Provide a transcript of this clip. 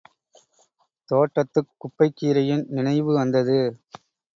தோட்டத்துக் குப்பைக் கீரையின் நினைவு வந்தது.